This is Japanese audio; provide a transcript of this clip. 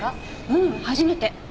ううん初めて。